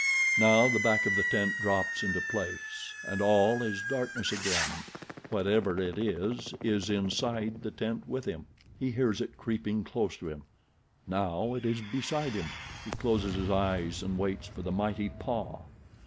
Now the back of the tent drops into place, and all is darkness again—whatever it is is inside the tent with him. He hears it creeping close to him—now it is beside him. He closes his eyes and waits for the mighty paw.